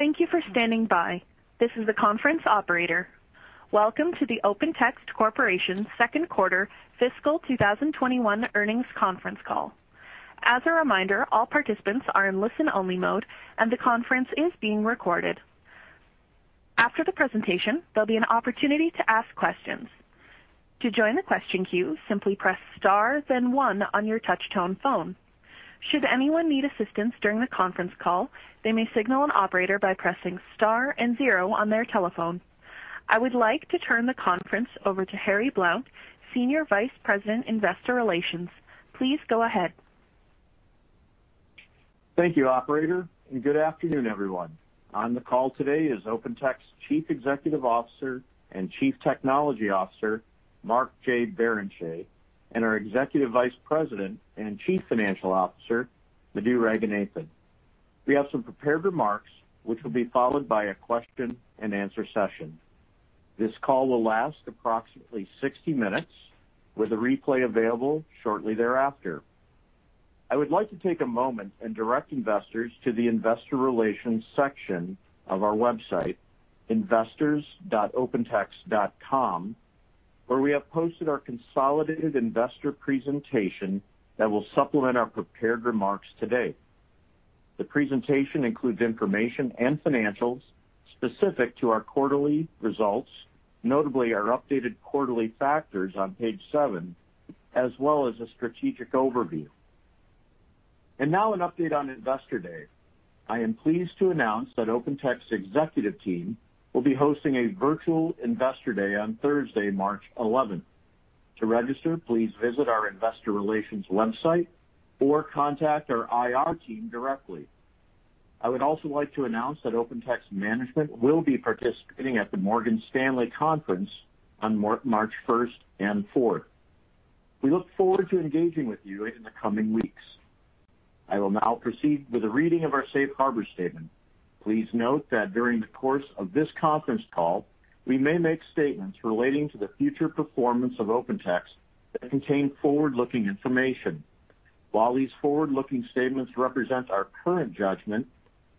Welcome to the Open Text Corporation's Second Quarter Fiscal 2021 Earnings Conference Call. As a reminder, all participants are in listen-only mode and the conference is being recorded. After the presentation, there'll be an opportunity to ask questions. I would like to turn the conference over to Harry Blount, Senior Vice President, Investor Relations. Please go ahead. Thank you, operator, and good afternoon, everyone. On the call today is OpenText's Chief Executive Officer and Chief Technology Officer, Mark J. Barrenechea, and our Executive Vice President and Chief Financial Officer, Madhu Ranganathan. We have some prepared remarks, which will be followed by a question-and-answer session. This call will last approximately 60 minutes with a replay available shortly thereafter. I would like to take a moment and direct investors to the investor relations section of our website, investors.opentext.com, where we have posted our consolidated investor presentation that will supplement our prepared remarks today. The presentation includes information and financials specific to our quarterly results, notably our updated quarterly factors on page seven, as well as a strategic overview. Now an update on Investor Day. I am pleased to announce that OpenText's executive team will be hosting a virtual Investor Day on Thursday, March 11th. To register, please visit our investor relations website or contact our IR team directly. I would also like to announce that OpenText management will be participating at the Morgan Stanley conference on March 1st and 4th. We look forward to engaging with you in the coming weeks. I will now proceed with a reading of our safe harbor statement. Please note that during the course of this conference call, we may make statements relating to the future performance of OpenText that contain forward-looking information. While these forward-looking statements represent our current judgment,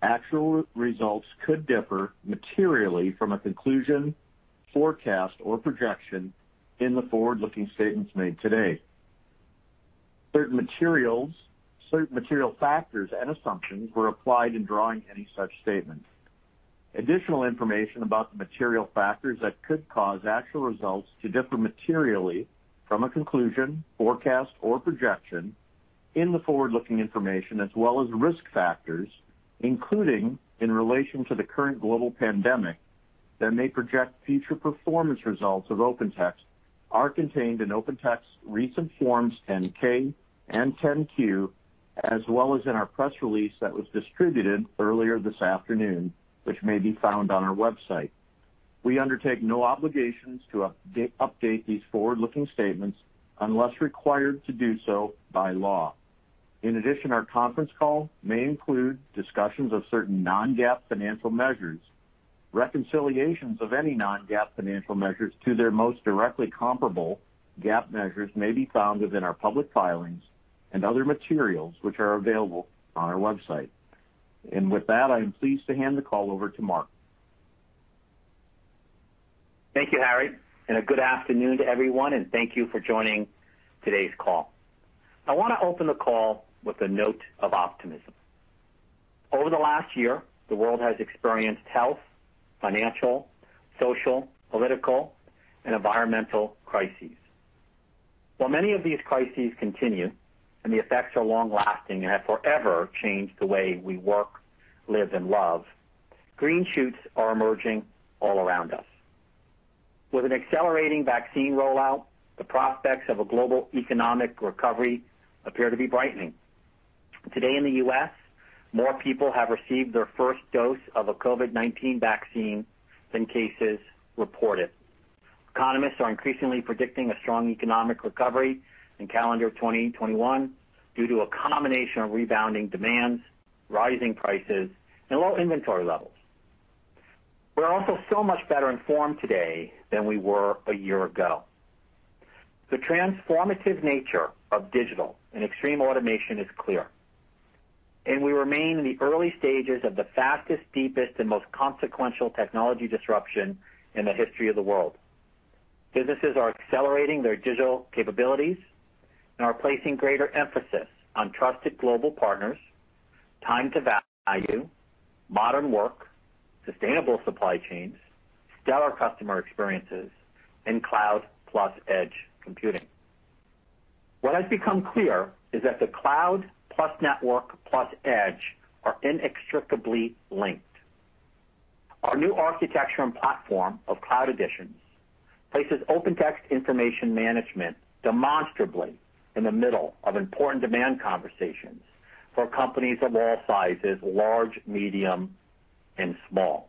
actual results could differ materially from a conclusion, forecast, or projection in the forward-looking statements made today. Certain material factors and assumptions were applied in drawing any such statements. Additional information about the material factors that could cause actual results to differ materially from a conclusion, forecast, or projection in the forward-looking information, as well as risk factors, including in relation to the current global pandemic that may project future performance results of OpenText, are contained in OpenText's recent Forms 10-K and 10-Q, as well as in our press release that was distributed earlier this afternoon, which may be found on our website. We undertake no obligations to update these forward-looking statements unless required to do so by law. Our conference call may include discussions of certain non-GAAP financial measures. Reconciliations of any non-GAAP financial measures to their most directly comparable GAAP measures may be found within our public filings and other materials, which are available on our website. With that, I am pleased to hand the call over to Mark. Thank you, Harry, and a good afternoon to everyone, and thank you for joining today's call. I want to open the call with a note of optimism. Over the last year, the world has experienced health, financial, social, political, and environmental crises. While many of these crises continue and the effects are long-lasting and have forever changed the way we work, live, and love, green shoots are emerging all around us. With an accelerating vaccine rollout, the prospects of a global economic recovery appear to be brightening. Today in the U.S., more people have received their first dose of a COVID-19 vaccine than cases reported. Economists are increasingly predicting a strong economic recovery in calendar 2021 due to a combination of rebounding demands, rising prices, and low inventory levels. We're also so much better informed today than we were a year ago. The transformative nature of digital and extreme automation is clear, and we remain in the early stages of the fastest, deepest, and most consequential technology disruption in the history of the world. Businesses are accelerating their digital capabilities and are placing greater emphasis on trusted global partners, time to value, modern work, sustainable supply chains, stellar customer experiences, and cloud plus edge computing. What has become clear is that the cloud plus network plus edge are inextricably linked. Our new architecture and platform of Cloud Editions places OpenText information management demonstrably in the middle of important demand conversations for companies of all sizes, large, medium, and small.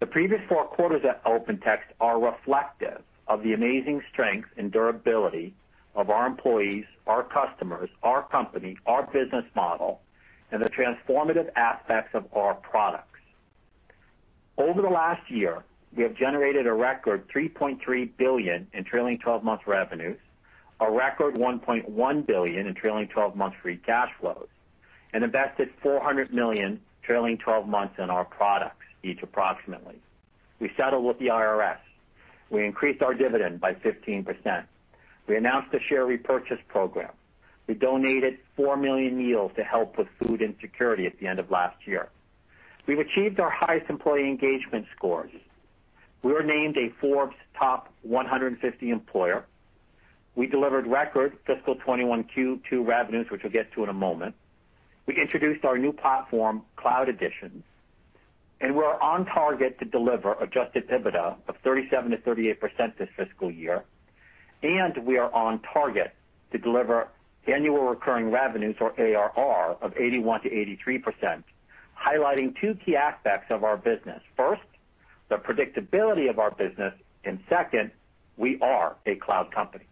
The previous four quarters at OpenText are reflective of the amazing strength and durability of our employees, our customers, our company, our business model, and the transformative aspects of our products. Over the last year, we have generated a record $3.3 billion in trailing 12-month revenues, a record $1.1 billion in trailing 12 months free cash flows, and invested $400 million trailing 12 months in our products, each approximately. We settled with the IRS. We increased our dividend by 15%. We announced a share repurchase program. We donated 4 million meals to help with food insecurity at the end of last year. We've achieved our highest employee engagement scores. We were named a Forbes Top 150 employer. We delivered record fiscal 2021 Q2 revenues, which we'll get to in a moment. We introduced our new platform, Cloud Editions, and we are on target to deliver adjusted EBITDA of 37%-38% this fiscal year. We are on target to deliver annual recurring revenues, or ARR, of 81%-83%, highlighting two key aspects of our business. First, the predictability of our business, and second, we are a cloud company.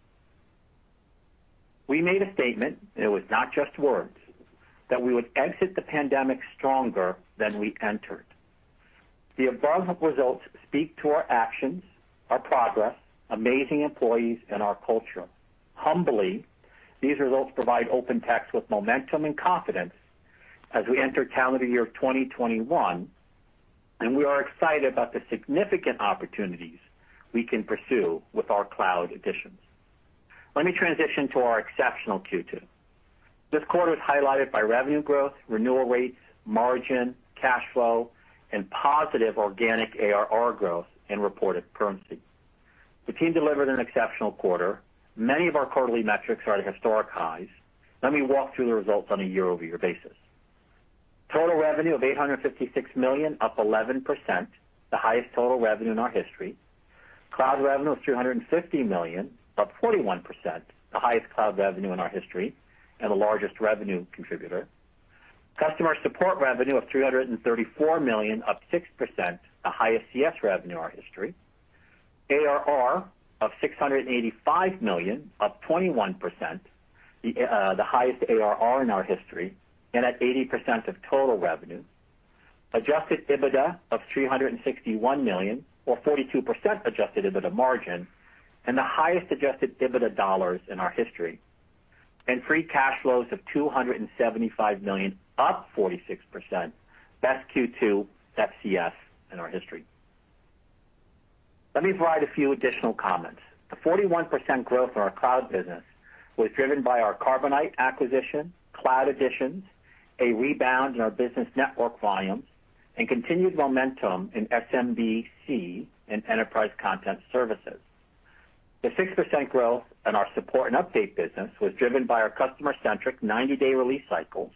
We made a statement, and it was not just words, that we would exit the pandemic stronger than we entered. The above results speak to our actions, our progress, amazing employees, and our culture. Humbly, these results provide OpenText with momentum and confidence as we enter calendar year 2021, and we are excited about the significant opportunities we can pursue with our Cloud Editions. Let me transition to our exceptional Q2. This quarter was highlighted by revenue growth, renewal rates, margin, cash flow, and positive organic ARR growth in reported currency. The team delivered an exceptional quarter. Many of our quarterly metrics are at historic highs. Let me walk through the results on a year-over-year basis. Total revenue of $856 million, up 11%, the highest total revenue in our history. Cloud revenue of $350 million, up 41%, the highest cloud revenue in our history and the largest revenue contributor. Customer support revenue of $334 million, up 6%, the highest CS revenue in our history. ARR of $685 million, up 21%, the highest ARR in our history and at 80% of total revenue. Adjusted EBITDA of $361 million, or 42% adjusted EBITDA margin, the highest adjusted EBITDA dollars in our history. Free cash flows of $275 million, up 46%. Best Q2 FCF in our history. Let me provide a few additional comments. The 41% growth in our cloud business was driven by our Carbonite acquisition, Cloud Editions, a rebound in our business network volumes, and continued momentum in SMB/C and enterprise content services. The 6% growth in our support and update business was driven by our customer-centric 90-day release cycles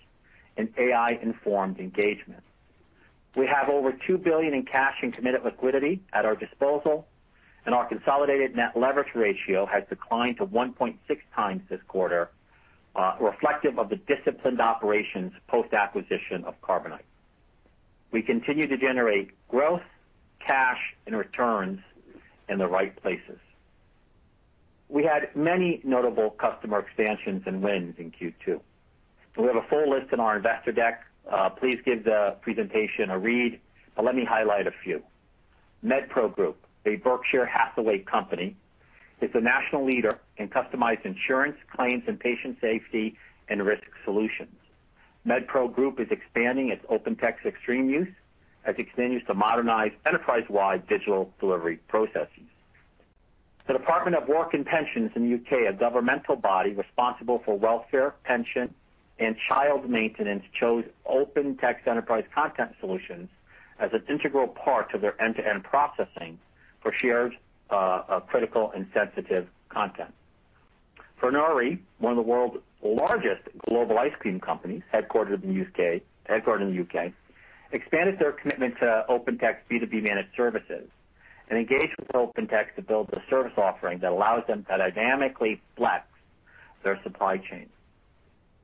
and AI-informed engagement. We have over $2 billion in cash and committed liquidity at our disposal, and our consolidated net leverage ratio has declined to 1.6x this quarter, reflective of the disciplined operations post-acquisition of Carbonite. We continue to generate growth, cash, and returns in the right places. We had many notable customer expansions and wins in Q2. We have a full list in our investor deck. Please give the presentation a read, but let me highlight a few. MedPro Group, a Berkshire Hathaway company, is a national leader in customized insurance, claims, and patient safety and risk solutions. MedPro Group is expanding its OpenText Exstream use as it continues to modernize enterprise-wide digital delivery processes. The Department for Work and Pensions in the U.K., a governmental body responsible for welfare, pension, and child maintenance, chose OpenText Enterprise Content Solutions as its integral part of their end-to-end processing for shared critical and sensitive content. Froneri, one of the world's largest global ice cream companies, headquartered in the U.K., expanded their commitment to OpenText B2B Managed Services and engaged with OpenText to build a service offering that allows them to dynamically flex their supply chain.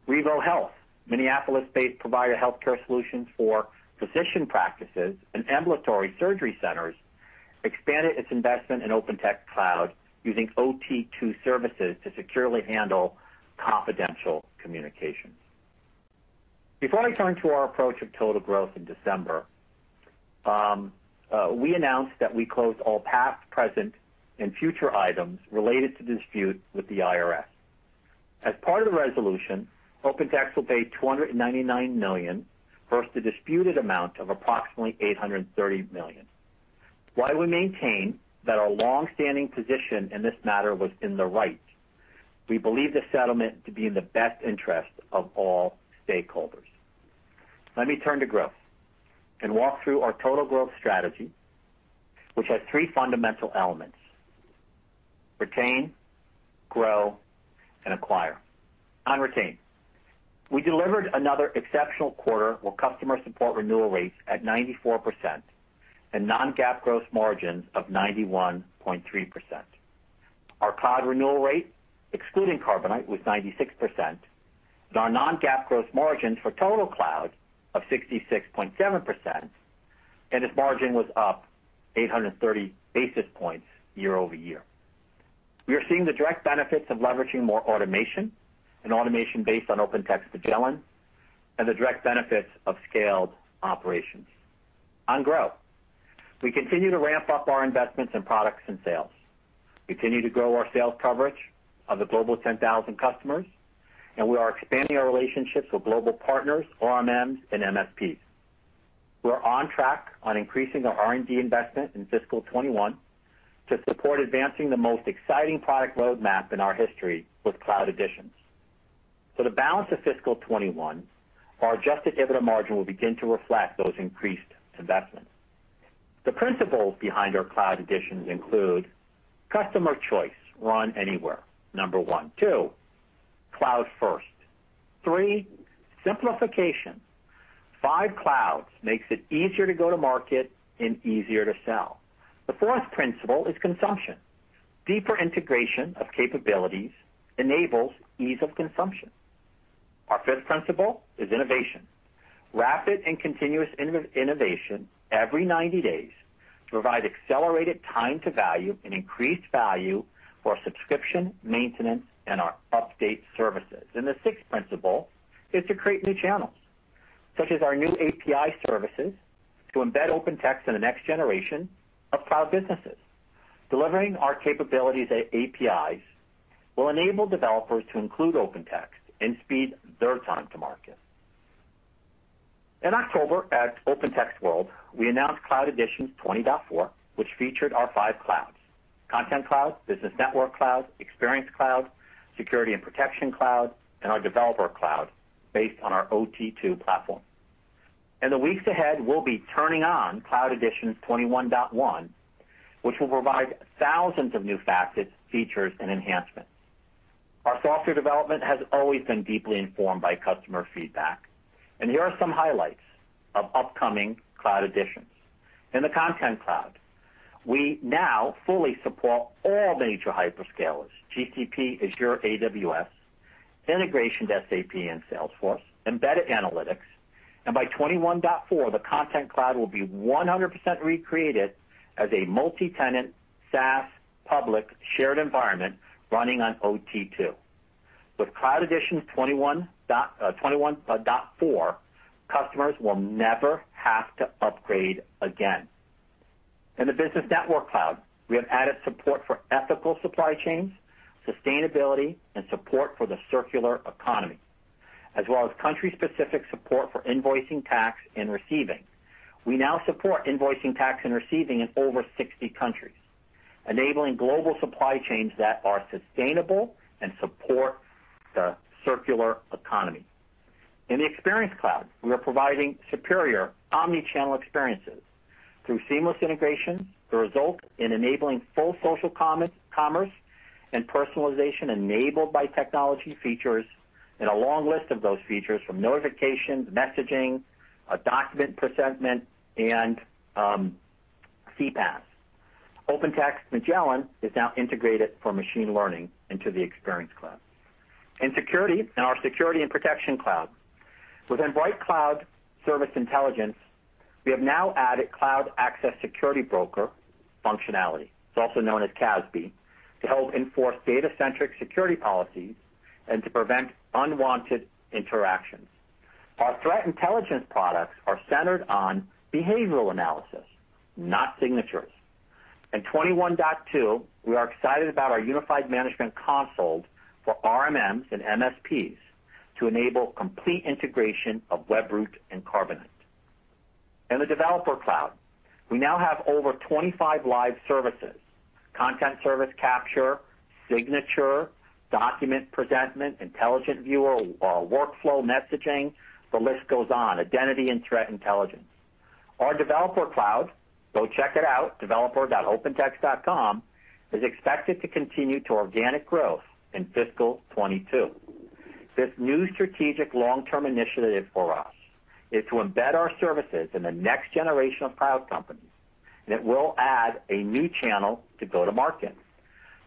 Revo Health, Minneapolis-based provider healthcare solutions for physician practices and ambulatory surgery centers, expanded its investment in OpenText Cloud using OT2 services to securely handle confidential communications. Before I turn to our approach of total growth in December, we announced that we closed all past, present, and future items related to dispute with the IRS. As part of the resolution, OpenText will pay $299 million versus the disputed amount of approximately $830 million. While we maintain that our long-standing position in this matter was in the right, we believe the settlement to be in the best interest of all stakeholders. Let me turn to growth and walk through our total growth strategy, which has three fundamental elements: retain, grow, and acquire. On retain, we delivered another exceptional quarter with customer support renewal rates at 94% and non-GAAP gross margins of 91.3%. Our cloud renewal rate, excluding Carbonite, was 96%, with our non-GAAP gross margins for total cloud of 66.7%, and its margin was up 830 basis points year-over-year. We are seeing the direct benefits of leveraging more automation, and automation based on OpenText Magellan, and the direct benefits of scaled operations. On grow, we continue to ramp up our investments in products and sales. We continue to grow our sales coverage of the Global 10,000 customers, and we are expanding our relationships with global partners, RMMs, and MSPs. We're on track on increasing our R&D investment in fiscal 2021 to support advancing the most exciting product roadmap in our history with Cloud Editions. For the balance of fiscal 2021, our adjusted EBITDA margin will begin to reflect those increased investments. The principles behind our Cloud Editions include customer choice, run anywhere, number one. Two, cloud first. Three, simplification. Five clouds makes it easier to go to market and easier to sell. The fourth principle is consumption. Deeper integration of capabilities enables ease of consumption. Our fifth principle is innovation. Rapid and continuous innovation every 90 days to provide accelerated time to value and increased value for subscription, maintenance, and our update services. The sixth principle is to create new channels, such as our new API services, to embed OpenText in the next generation of cloud businesses. Delivering our capabilities as APIs will enable developers to include OpenText and speed their time to market. In October, at OpenText World, we announced Cloud Editions 20.4, which featured our five clouds: Content Cloud, Business Network Cloud, Experience Cloud, Security & Protection Cloud, and our Developer Cloud, based on our OT2 platform. In the weeks ahead, we'll be turning on Cloud Editions 21.1, which will provide thousands of new facets, features, and enhancements. Our software development has always been deeply informed by customer feedback. Here are some highlights of upcoming Cloud Editions. In the Content Cloud, we now fully support all major hyperscalers, GCP, Azure, AWS, integration to SAP and Salesforce, embedded analytics. By 21.4, the Content Cloud will be 100% recreated as a multi-tenant, SaaS, public, shared environment running on OT2. With Cloud Editions 21.4, customers will never have to upgrade again. In the Business Network Cloud, we have added support for ethical supply chains, sustainability, and support for the circular economy, as well as country-specific support for invoicing tax and receiving. We now support invoicing tax and receiving in over 60 countries, enabling global supply chains that are sustainable and support the circular economy. In the Experience Cloud, we are providing superior omni-channel experiences through seamless integrations to result in enabling full social commerce and personalization enabled by technology features, and a long list of those features from notifications, messaging, document presentment, and CPaaS. OpenText Magellan is now integrated for machine learning into the Experience Cloud. In security, in our Security & Protection Cloud. Within BrightCloud Cloud Service Intelligence, we have now added Cloud Access Security Broker functionality, it's also known as CASB, to help enforce data-centric security policies and to prevent unwanted interactions. Our threat intelligence products are centered on behavioral analysis, not signatures. In 21.2, we are excited about our unified management console for RMMs and MSPs to enable complete integration of Webroot and Carbonite. In the Developer Cloud, we now have over 25 live services, content service capture, eSignature, document presentment, intelligent viewer, or workflow messaging. The list goes on. Identity and threat intelligence. Our Developer Cloud, go check it out, developer.opentext.com, is expected to continue to organic growth in fiscal 2022. This new strategic long-term initiative for us is to embed our services in the next generation of cloud companies, and it will add a new channel to go to market.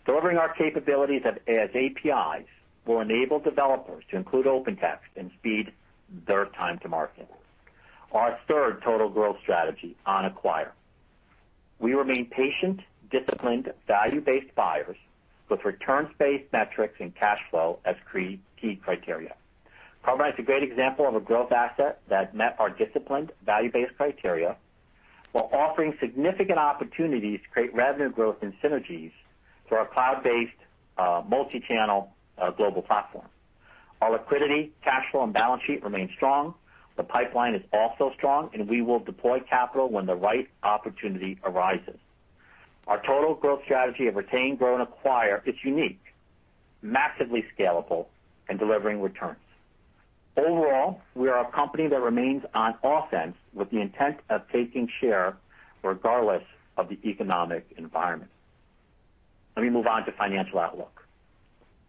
Delivering our capabilities as APIs will enable developers to include OpenText and speed their time to market. Our third total growth strategy on acquire. We remain patient, disciplined, value-based buyers with returns-based metrics and cash flow as key criteria. [Carbonite] is a great example of a growth asset that met our disciplined value-based criteria while offering significant opportunities to create revenue growth and synergies through our cloud-based, multi-channel global platform. Our liquidity, cash flow, and balance sheet remain strong. The pipeline is also strong, and we will deploy capital when the right opportunity arises. Our total growth strategy of retain, grow, and acquire is unique, massively scalable, and delivering returns. Overall, we are a company that remains on offense with the intent of taking share regardless of the economic environment. Let me move on to financial outlook.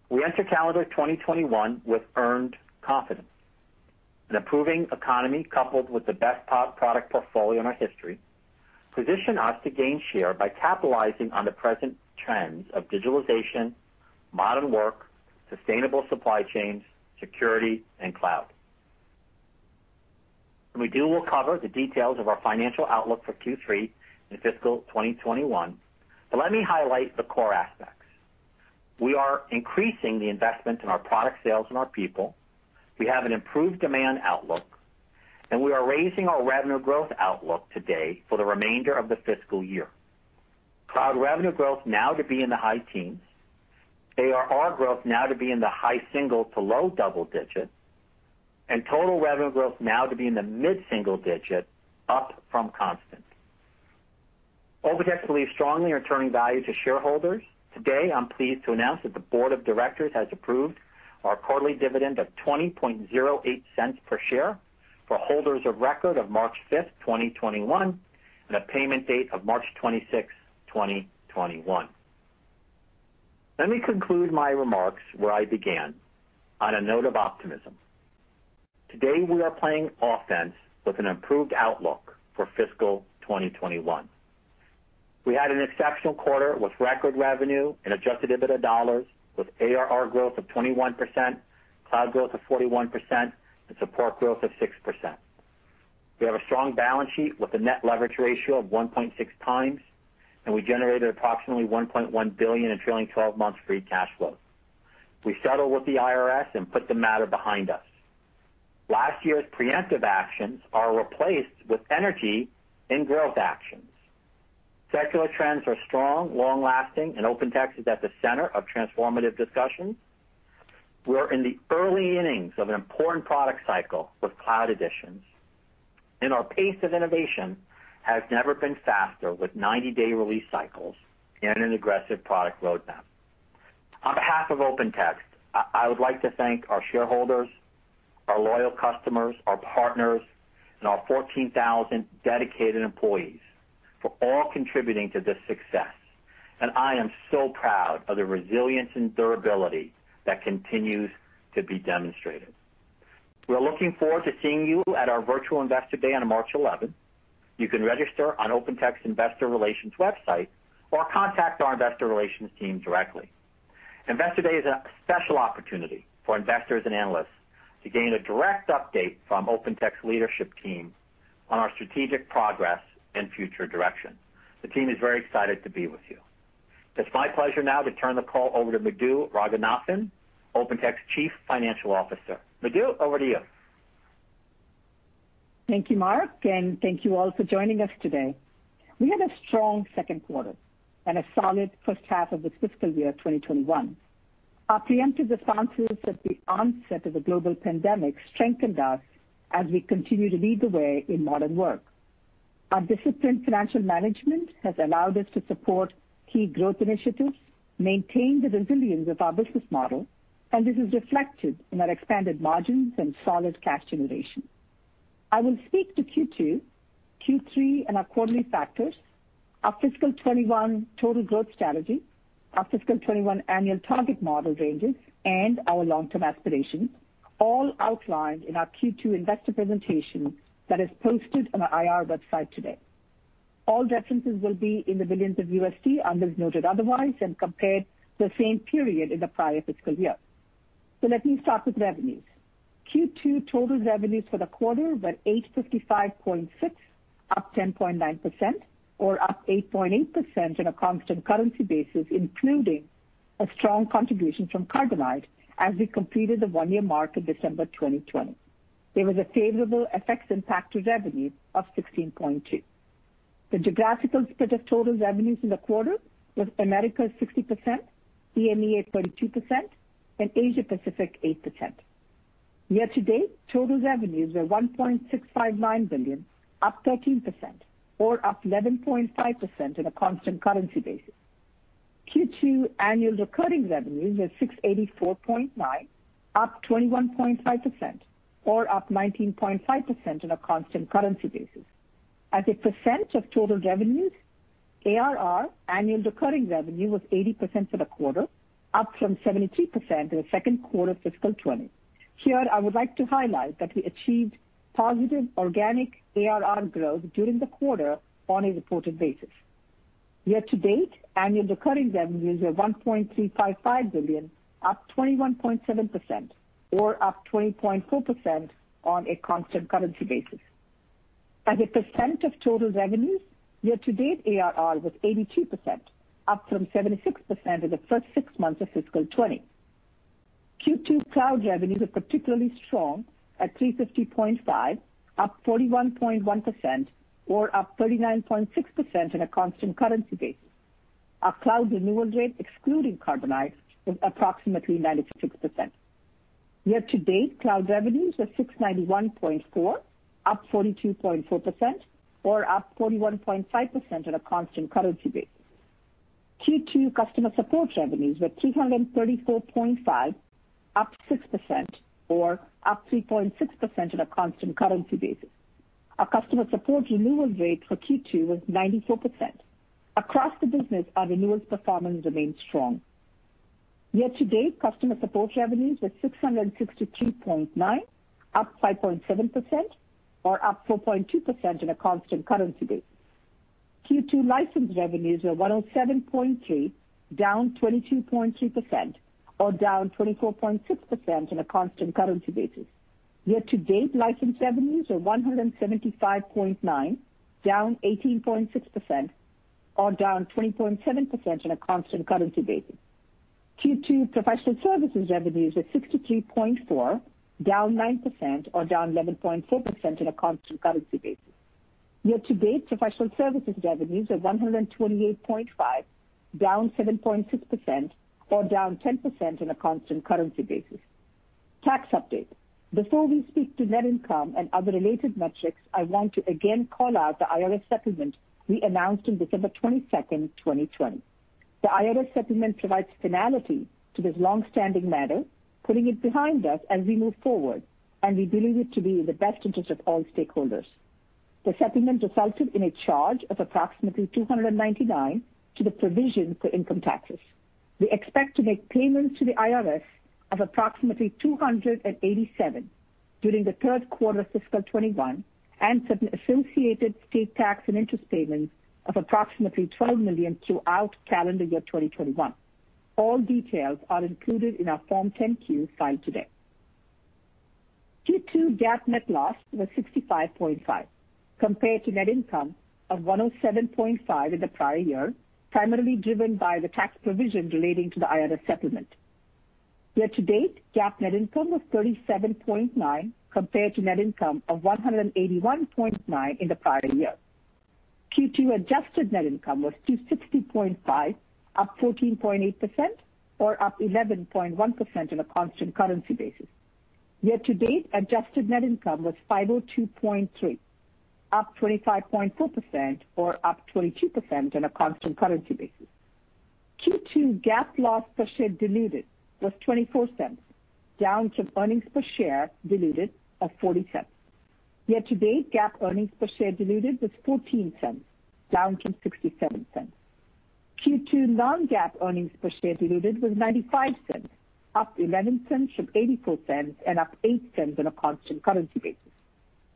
We enter calendar 2021 with earned confidence. An improving economy coupled with the best product portfolio in our history position us to gain share by capitalizing on the present trends of digitalization, modern work, sustainable supply chains, security, and cloud. Madhu will cover the details of our financial outlook for Q3 in fiscal 2021. Let me highlight the core aspects. We are increasing the investment in our product sales and our people. We have an improved demand outlook, and we are raising our revenue growth outlook today for the remainder of the fiscal year. Cloud revenue growth now to be in the high teens. ARR growth now to be in the high single to low double digits, and total revenue growth now to be in the mid-single digit, up from constant. OpenText believes strongly in returning value to shareholders. Today, I'm pleased to announce that the board of directors has approved our quarterly dividend of $0.2008 per share for holders of record of March 5th, 2021, and a payment date of March 26th, 2021. Let me conclude my remarks where I began, on a note of optimism. Today we are playing offense with an improved outlook for fiscal 2021. We had an exceptional quarter with record revenue and adjusted EBITDA dollars with ARR growth of 21%, cloud growth of 41%, and support growth of 6%. We have a strong balance sheet with a net leverage ratio of 1.6x, and we generated approximately $1.1 billion in trailing 12 months free cash flow. We settled with the IRS and put the matter behind us. Last year's preemptive actions are replaced with energy and growth actions. Secular trends are strong, long-lasting, and OpenText is at the center of transformative discussions. We are in the early innings of an important product cycle with Cloud Editions, and our pace of innovation has never been faster with 90-day release cycles and an aggressive product roadmap. On behalf of OpenText, I would like to thank our shareholders, our loyal customers, our partners, and our 14,000 dedicated employees for all contributing to this success, and I am so proud of the resilience and durability that continues to be demonstrated. We are looking forward to seeing you at our virtual Investor Day on March 11th. You can register on OpenText investor relations website or contact our investor relations team directly. Investor Day is a special opportunity for investors and analysts to gain a direct update from OpenText leadership team on our strategic progress and future direction. The team is very excited to be with you. It's my pleasure now to turn the call over to Madhu Ranganathan, OpenText Chief Financial Officer. Madhu, over to you. Thank you, Mark, and thank you all for joining us today. We had a strong second quarter and a solid first half of the fiscal year 2021. Our preemptive responses at the onset of the global pandemic strengthened us as we continue to lead the way in modern work. Our disciplined financial management has allowed us to support key growth initiatives, maintain the resilience of our business model. This is reflected in our expanded margins and solid cash generation. I will speak to Q2, Q3, and our quarterly factors, our fiscal year 2021 total growth strategy, our fiscal year 2021 annual target model ranges, and our long-term aspirations, all outlined in our Q2 investor presentation that is posted on our IR website today. All references will be in $ billions unless noted otherwise, compared the same period in the prior fiscal year. Let me start with revenues. Q2 total revenues for the quarter were $855.6, up 10.9%, or up 8.8% on a constant currency basis, including a strong contribution from Carbonite as we completed the one-year mark of December 2020. There was a favorable FX impact to revenue of $16.2. The geographical split of total revenues in the quarter was Americas 60%, EMEA 22%, and Asia Pacific 8%. Year to date, total revenues were $1.659 billion, up 13%, or up 11.5% on a constant currency basis. Q2 annual recurring revenues were $684.9, up 21.5%, or up 19.5% on a constant currency basis. As a percent of total revenues, ARR, annual recurring revenue, was 80% for the quarter, up from 73% in the second quarter fiscal 2020. Here I would like to highlight that we achieved positive organic ARR growth during the quarter on a reported basis. Year-to-date, annual recurring revenues were $1.355 billion, up 21.7%, or up 20.4% on a constant currency basis. As a percent of total revenues, year-to-date ARR was 82%, up from 76% in the first six months of fiscal 2020. Q2 cloud revenues were particularly strong at $350.5 million, up 41.1%, or up 39.6% on a constant currency basis. Our cloud renewal rate, excluding Carbonite, was approximately 96%. Year-to-date, cloud revenues were $691.4 million, up 42.4%, or up 41.5% on a constant currency basis. Q2 customer support revenues were $334.5 million, up 6%, or up 3.6% on a constant currency basis. Our customer support renewal rate for Q2 was 94%. Across the business, our renewal performance remains strong. Year-to-date, customer support revenues were $663.9, up 5.7%, or up 4.2% on a constant currency basis. Q2 license revenues were $107.3, down 22.3%, or down 24.6% on a constant currency basis. Year-to-date license revenues are $175.9, down 18.6%, or down 20.7% on a constant currency basis. Q2 professional services revenues were $63.4, down 9%, or down 11.4% on a constant currency basis. Year-to-date professional services revenues are $128.5, down 7.6%, or down 10% on a constant currency basis. Tax update. Before we speak to net income and other related metrics, I want to again call out the IRS settlement we announced on December 22nd, 2020. The IRS settlement provides finality to this long-standing matter, putting it behind us as we move forward, and we believe it to be in the best interest of all stakeholders. The settlement resulted in a charge of approximately $299 to the provision for income taxes. We expect to make payments to the IRS of approximately $287 during the third quarter of fiscal 2021 and certain associated state tax and interest payments of approximately $12 million throughout calendar year 2021. All details are included in our Form 10-Q filed today. Q2 GAAP net loss was $65.5, compared to net income of $107.5 in the prior year, primarily driven by the tax provision relating to the IRS settlement. Year to date, GAAP net income was $37.9 compared to net income of $181.9 in the prior year. Q2 adjusted net income was $260.5, up 14.8%, or up 11.1% on a constant currency basis. Year to date, adjusted net income was $502.3, up 25.4%, or up 22% on a constant currency basis. Q2 GAAP loss per share diluted was $0.24, down from earnings per share diluted of $0.40. Year to date, GAAP earnings per share diluted was $0.14, down from $0.67. Q2 non-GAAP earnings per share diluted was $0.95, up $0.11 from $0.84 and up $0.08 on a constant currency basis.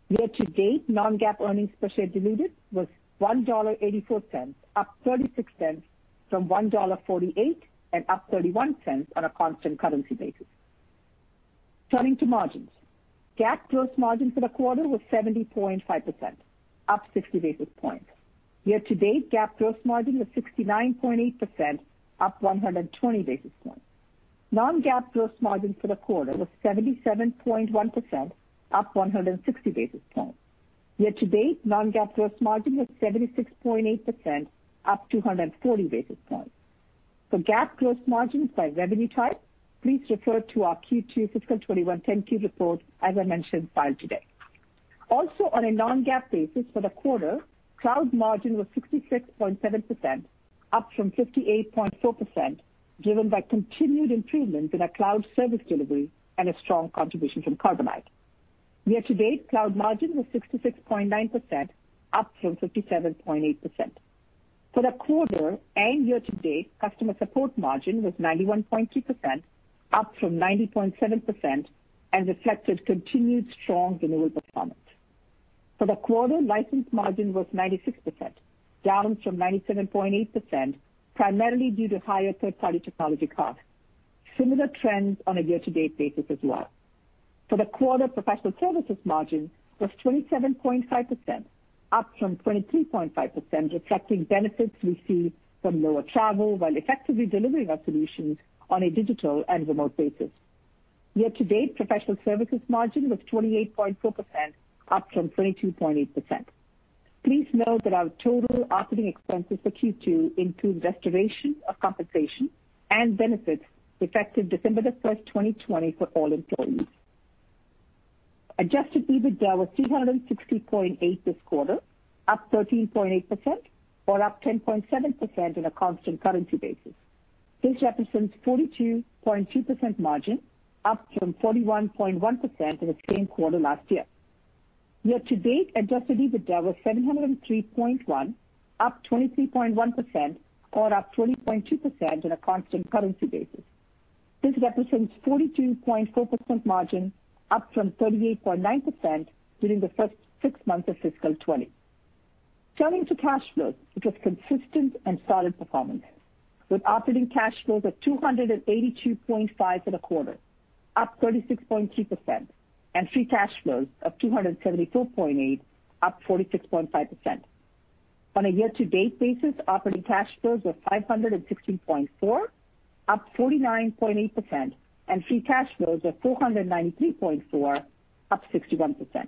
Year to date, non-GAAP earnings per share diluted was $1.84, up $0.36 from $1.48, and up $0.31 on a constant currency basis. Turning to margins. GAAP gross margin for the quarter was 70.5%, up 60 basis points. Year to date, GAAP gross margin was 69.8%, up 120 basis points. Non-GAAP gross margin for the quarter was 77.1%, up 160 basis points. Year to date, non-GAAP gross margin was 76.8%, up 240 basis points. For GAAP gross margins by revenue type, please refer to our Q2 fiscal 2021 10-Q report, as I mentioned, filed today. On a non-GAAP basis for the quarter, cloud margin was 66.7%, up from 58.4%, driven by continued improvement in our cloud service delivery and a strong contribution from Carbonite. Year to date, cloud margin was 66.9%, up from 57.8%. For the quarter and year to date, customer support margin was 91.2%, up from 90.7%, and reflected continued strong renewal performance. For the quarter, license margin was 96%, down from 97.8%, primarily due to higher third-party technology costs. Similar trends on a year-to-date basis as well. For the quarter, professional services margin was 27.5%, up from 23.5%, reflecting benefits we see from lower travel while effectively delivering our solutions on a digital and remote basis. Year to date, professional services margin was 28.4%, up from 22.8%. Please note that our total operating expenses for Q2 include restoration of compensation and benefits effective December the 1st, 2020, for all employees. Adjusted EBITDA was $360.8 this quarter, up 13.8%, or up 10.7% on a constant currency basis. This represents 42.2% margin, up from 41.1% in the same quarter last year. Year-to-date, adjusted EBITDA was $703.1, up 23.1%, or up 20.2% on a constant currency basis. This represents 42.4% margin, up from 38.9% during the first six months of fiscal 2020. Turning to cash flows, it was consistent and solid performance, with operating cash flows of $282.5 for the quarter, up 36.2%, and free cash flows of $274.8, up 46.5%. On a year-to-date basis, operating cash flows were $516.4, up 49.8%, and free cash flows were $493.4, up 61%.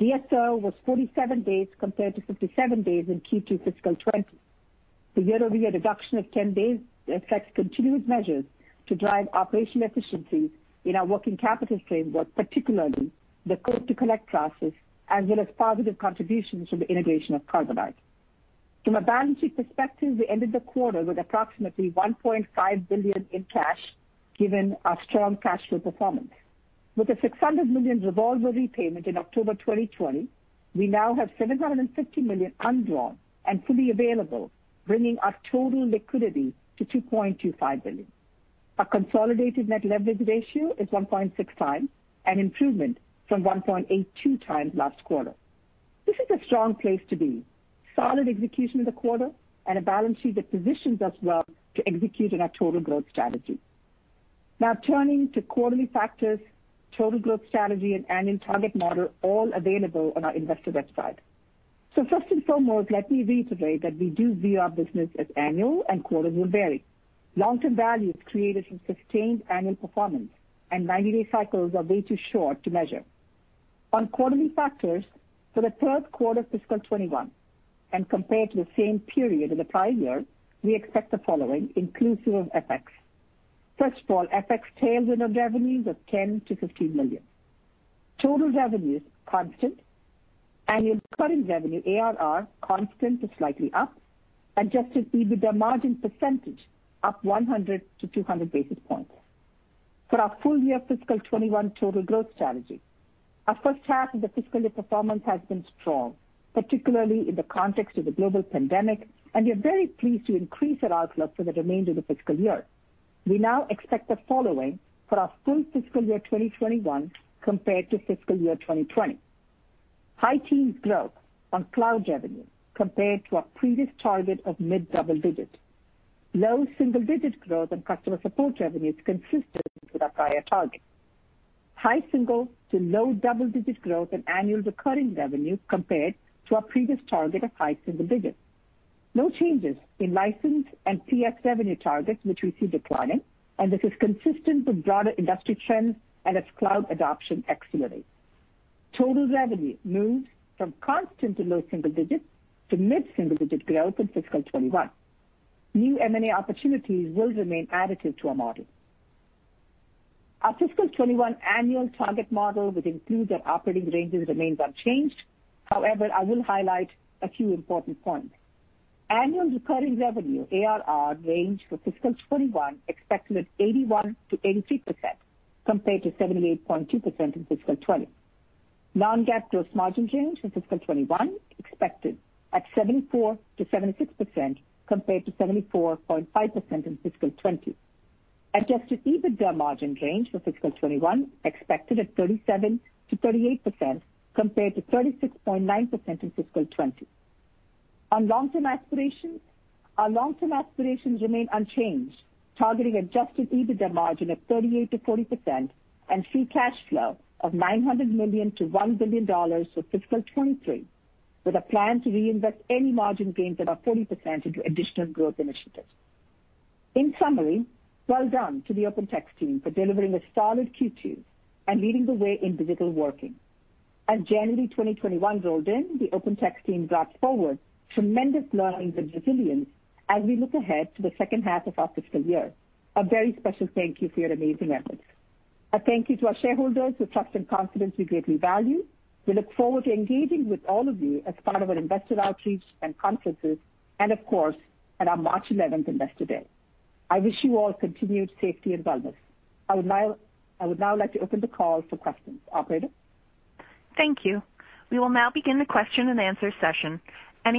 DSO was 47 days compared to 57 days in Q2 fiscal 2020. The year-over-year reduction of 10 days affects continued measures to drive operational efficiencies in our working capital framework, particularly the quote-to-collect process as well as positive contributions from the integration of Carbonite. From a balancing perspective, we ended the quarter with approximately $1.5 billion in cash given our strong cash flow performance. With a $600 million revolver repayment in October 2020, we now have $750 million undrawn and fully available, bringing our total liquidity to $2.25 billion. Our consolidated net leverage ratio is 1.6x, an improvement from 1.82 times last quarter. This is a strong place to be. Solid execution of the quarter and a balance sheet that positions us well to execute on our total growth strategy. Now turning to quarterly factors, total growth strategy, and annual target model, all available on our investor website. First and foremost, let me reiterate that we do view our business as annual, and quarters will vary. Long-term value is created from sustained annual performance, and 90-day cycles are way too short to measure. On quarterly factors, for the third quarter of fiscal 2021, and compared to the same period in the prior year, we expect the following, inclusive of FX. First of all, FX tailwind on revenues of $10 million-$15 million. Total revenues, constant. Annual recurring revenue, ARR, constant to slightly up. Adjusted EBITDA margin percentage, up 100 to 200 basis points. For our full year fiscal 2021 total growth strategy, our first half of the fiscal year performance has been strong, particularly in the context of the global pandemic, and we are very pleased to increase our outlook for the remainder of the fiscal year. We now expect the following for our full fiscal year 2021 compared to fiscal year 2020. High teens growth on cloud revenue compared to our previous target of mid double digits. Low single-digit growth on customer support revenues consistent with our prior target. High single to low double-digit growth in annual recurring revenue compared to our previous target of high single digits. No changes in license and PS revenue targets, which we see declining, and this is consistent with broader industry trends and as cloud adoption accelerates. Total revenue moves from constant to low single digits to mid-single-digit growth in fiscal 2021. New M&A opportunities will remain additive to our model. Our fiscal 2021 annual target model, which includes our operating ranges, remains unchanged. I will highlight a few important points. Annual recurring revenue, ARR, range for fiscal 2021 expected at 81%-83%, compared to 78.2% in fiscal 2020. Non-GAAP gross margin range for fiscal 2021 expected at 74%-76%, compared to 74.5% in fiscal 2020. Adjusted EBITDA margin range for fiscal 2021 expected at 37%-38%, compared to 36.9% in fiscal 2020. On long-term aspirations, our long-term aspirations remain unchanged, targeting adjusted EBITDA margin of 38%-40% and free cash flow of $900 million-$1 billion for fiscal 2023, with a plan to reinvest any margin gains above 40% into additional growth initiatives. In summary, well done to the OpenText team for delivering a solid Q2 and leading the way in digital working. As January 2021 rolled in, the OpenText team brought forward tremendous learnings and resilience as we look ahead to the second half of our fiscal year. A very special thank you for your amazing efforts. A thank you to our shareholders, whose trust and confidence we greatly value. We look forward to engaging with all of you as part of our investor outreach and conferences, and of course, at our March 11th Investor Day. I wish you all continued safety and wellness. I would now like to open the call for questions. Operator? Thank you. We will now begin the question-and-answer session. Our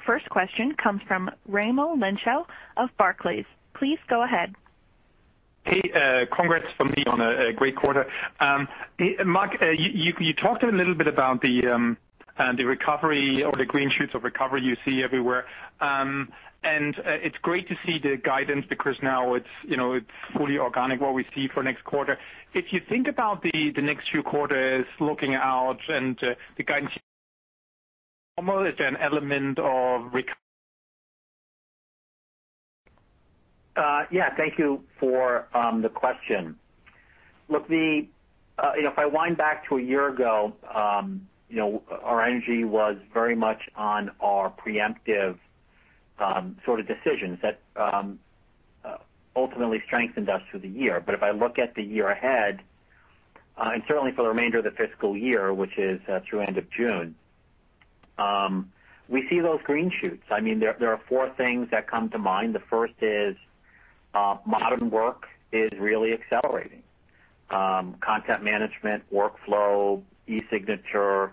first question comes from Raimo Lenschow of Barclays. Please go ahead. Hey, congrats from me on a great quarter. Mark, you talked a little bit about the recovery or the green shoots of recovery you see everywhere. It's great to see the guidance because now it's fully organic, what we see for next quarter. If you think about the next few quarters looking out the guidance is there an element of [recurring revenue]. Yeah. Thank you for the question. If I wind back to a year ago, our energy was very much on our preemptive sort of decisions that ultimately strengthened us through the year. If I look at the year ahead, and certainly for the remainder of the fiscal year, which is through end of June, we see those green shoots. There are four things that come to mind. The first is modern work is really accelerating. Content management, workflow, eSignature,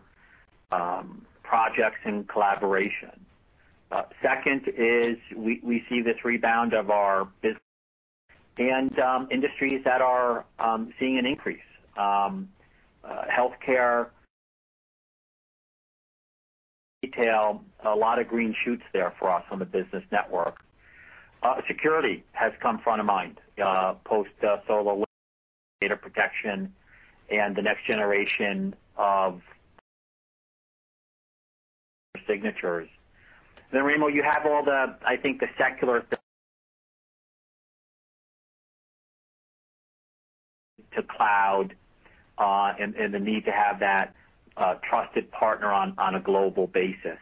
projects, and collaboration. Second is we see this rebound of our business and industries that are seeing an increase. Healthcare, retail, a lot of green shoots there for us on the Business Network. Security has come front of mind post-SolarWinds, data protection, and the next generation of signatures. Raimo, you have all the, I think, the secular to cloud, and the need to have that trusted partner on a global basis.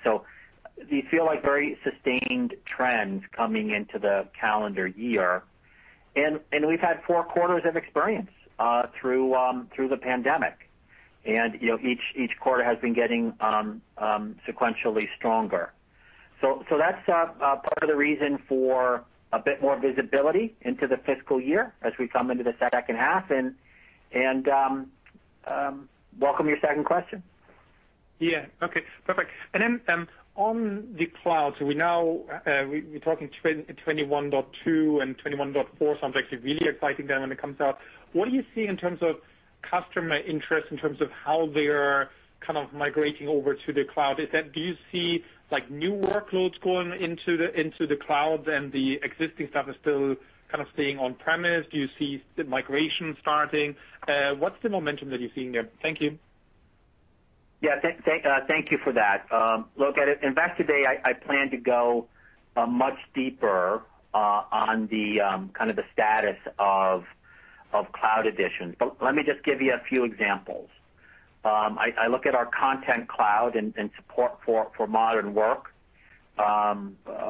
These feel like very sustained trends coming into the calendar year. We've had four quarters of experience through the pandemic. Each quarter has been getting sequentially stronger. That's part of the reason for a bit more visibility into the fiscal year as we come into the second half, and welcome your second question. Yeah. Okay, perfect. On the cloud, so we're talking 21.2 and 21.4 sounds actually really exciting then when it comes out. What do you see in terms of customer interest, in terms of how they're kind of migrating over to the cloud? Do you see new workloads going into the cloud and the existing stuff is still kind of staying on-premise? Do you see the migration starting? What's the momentum that you're seeing there? Thank you. Yeah, thank you for that. Look, at Investor Day, I plan to go much deeper on the kind of the status of Cloud Editions. Let me just give you a few examples. I look at our Content Cloud and support for modern work.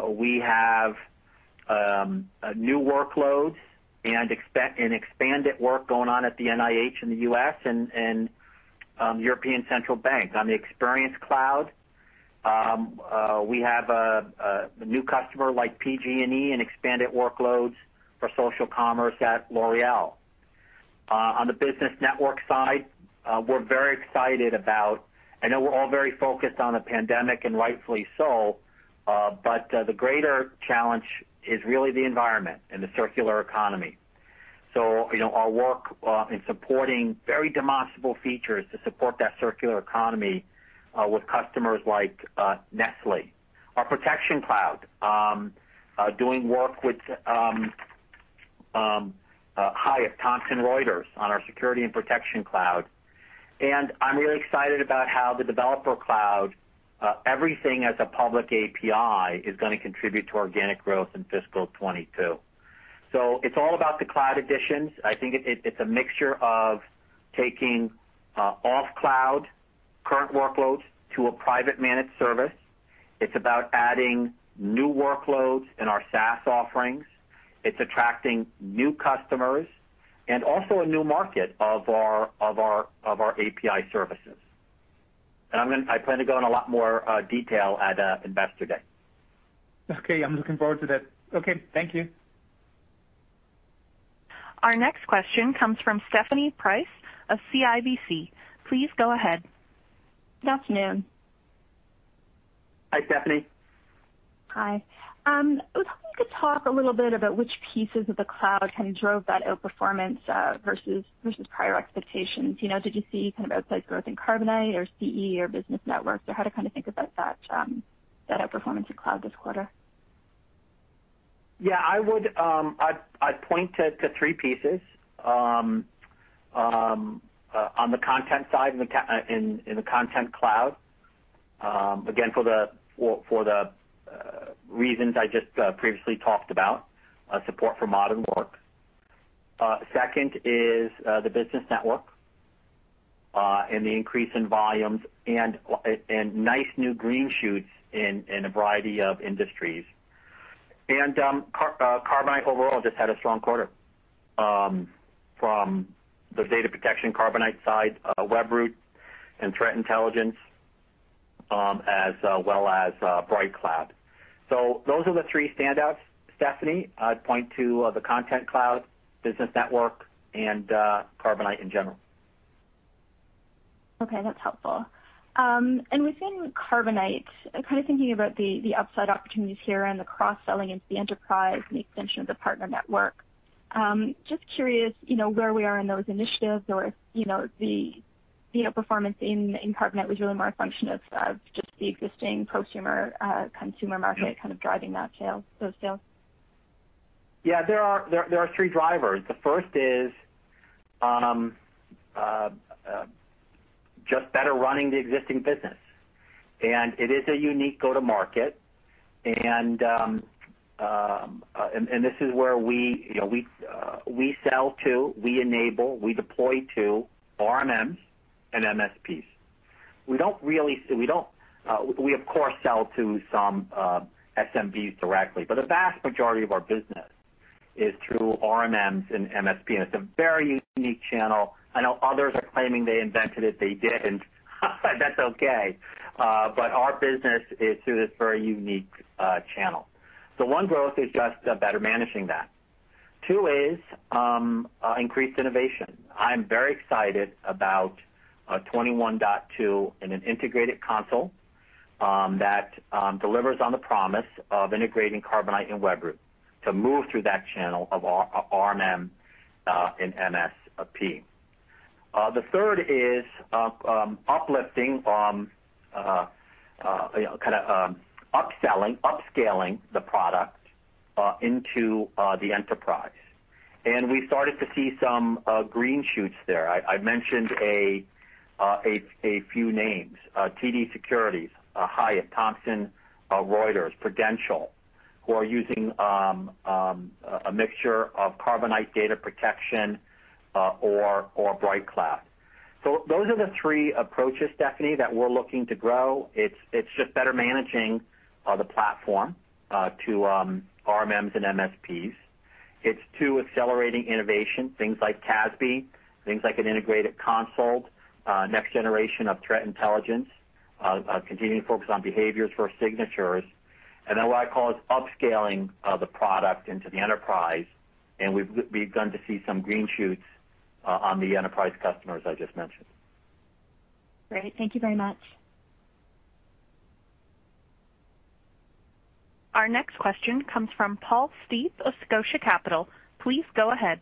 We have new workloads and expanded work going on at the NIH in the U.S. and European Central Bank. On the Experience Cloud, we have a new customer like PG&E and expanded workloads for social commerce at L'Oréal. On the Business Network side, I know we're all very focused on the pandemic, and rightfully so, but the greater challenge is really the environment and the circular economy. Our work in supporting very demonstrable features to support that circular economy, with customers like Nestlé. Our Protection Cloud, doing work with Hyatt, Thomson Reuters on our Security & Protection Cloud. I'm really excited about how the Developer Cloud, everything as a public API is going to contribute to organic growth in fiscal 2022. It's all about the Cloud Editions. I think it's a mixture of taking off-cloud current workloads to a private managed service. It's about adding new workloads in our SaaS offerings. It's attracting new customers and also a new market of our API services. I plan to go in a lot more detail at Investor Day. Okay. I'm looking forward to that. Okay. Thank you. Our next question comes from Stephanie Price of CIBC. Please go ahead. Good afternoon. Hi, Stephanie. Hi. I was hoping you could talk a little bit about which pieces of the cloud kind of drove that outperformance versus prior expectations. Did you see kind of upside growth in Carbonite or CE or Business Network? Or how to kind of think about that outperformance of cloud this quarter? Yeah, I'd point to three pieces. On the content side, in the Content Cloud, again, for the reasons I just previously talked about, support for modern work. Second is the Business Network, and the increase in volumes and nice new green shoots in a variety of industries. Carbonite overall just had a strong quarter, from the data protection Carbonite side, Webroot and threat intelligence, as well as BrightCloud. Those are the three standouts, Stephanie. I'd point to the Content Cloud, Business Network, and Carbonite in general. Okay, that's helpful. Within Carbonite, kind of thinking about the upside opportunities here and the cross-selling into the enterprise and the extension of the partner network. Just curious, where we are in those initiatives or if the performance in Carbonite was really more a function of just the existing prosumer, consumer market kind of driving those sales? There are three drivers. The first is just better running the existing business. It is a unique go to market. This is where we sell to, we enable, we deploy to RMMs and MSPs. We of course sell to some SMBs directly, but the vast majority of our business is through RMMs and MSP, and it's a very unique channel. I know others are claiming they invented it. They didn't and that's okay. Our business is through this very unique channel. One growth is just better managing that. Two is increased innovation. I'm very excited about 21.2 and an integrated console that delivers on the promise of integrating Carbonite and Webroot to move through that channel of RMM and MSP. The third is upscaling the product into the enterprise. We started to see some green shoots there. I mentioned a few names, TD Securities, Hyatt, Thomson Reuters, Prudential, who are using a mixture of Carbonite data protection or BrightCloud. Those are the three approaches, Stephanie, that we're looking to grow. It's just better managing the platform to RMMs and MSPs. It's two, accelerating innovation, things like CASB, things like an integrated console, next generation of threat intelligence, continuing to focus on behaviors for signatures. What I call is upscaling the product into the enterprise, and we've begun to see some green shoots on the enterprise customers I just mentioned. Great. Thank you very much. Our next question comes from Paul Steep of Scotia Capital. Please go ahead.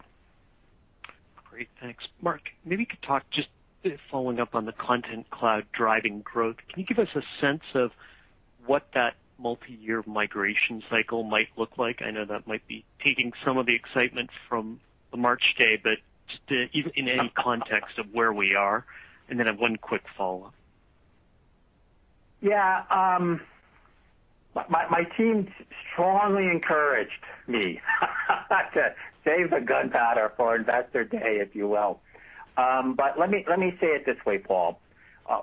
Great. Thanks. Mark, maybe you could talk just following up on the Content Cloud driving growth. Can you give us a sense of what that multi-year migration cycle might look like? I know that might be taking some of the excitement from the March Investor Day, but just in any context of where we are, and then I have one quick follow-up. Yeah. My team strongly encouraged me to save the gunpowder for Investor Day, if you will. Let me say it this way, Paul.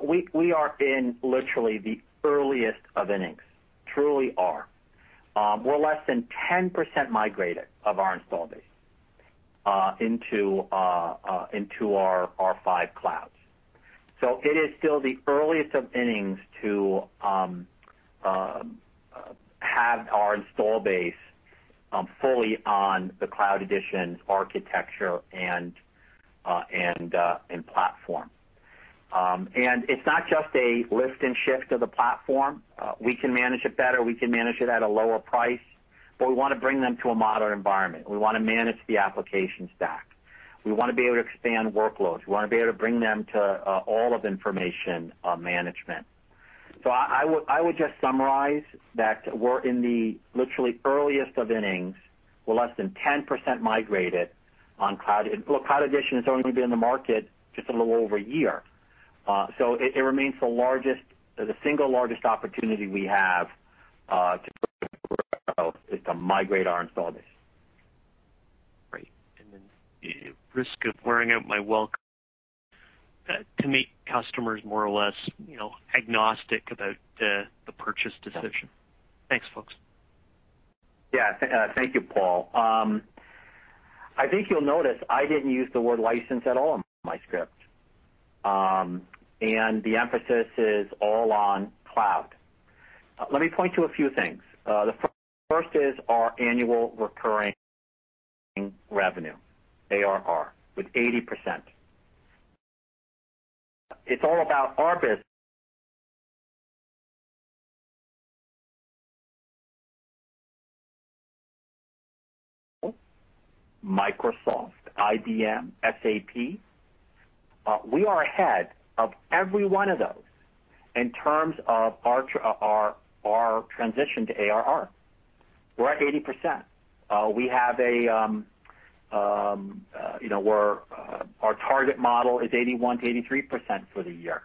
We are in literally the earliest of innings, truly are. We're less than 10% migrated of our install base into our five clouds. It is still the earliest of innings to have our install base fully on the Cloud Edition architecture and platform. It's not just a lift and shift of the platform. We can manage it better, we can manage it at a lower price, but we want to bring them to a modern environment. We want to manage the application stack. We want to be able to expand workloads. We want to be able to bring them to all of information management. I would just summarize that we're in the literally earliest of innings. We're less than 10% migrated on cloud. Look, Cloud Edition has only been in the market just a little over a year. It remains the single largest opportunity we have to grow is to migrate our install base. Great. Then at risk of wearing out my welcome, to meet customers more or less agnostic about the purchase decision? Thanks, folks. Thank you, Paul. I think you'll notice I didn't use the word license at all in my script. The emphasis is all on cloud. Let me point to a few things. The first is our annual recurring revenue, ARR, with 80%. It's all about our business. Microsoft, IBM, SAP. We are ahead of every one of those in terms of our transition to ARR. We're at 80%. Our target model is 81%-83% for the year.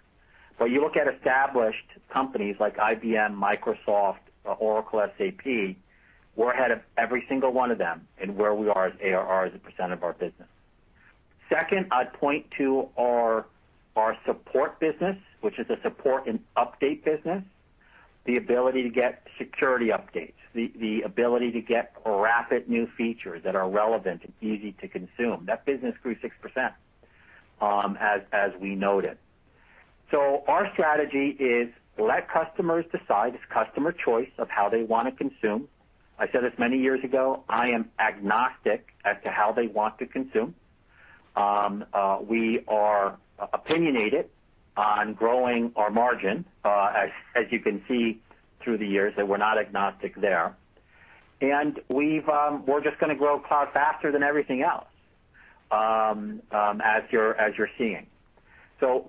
You look at established companies like IBM, Microsoft, Oracle, SAP, we're ahead of every single one of them in where we are as ARR as a percent of our business. Second, I'd point to our support business, which is a support and update business. The ability to get security updates, the ability to get rapid new features that are relevant and easy to consume. That business grew 6%, as we noted. Our strategy is let customers decide. It's customer choice of how they want to consume. I said this many years ago, I am agnostic as to how they want to consume. We are opinionated on growing our margin. As you can see through the years that we're not agnostic there. We're just going to grow cloud faster than everything else, as you're seeing.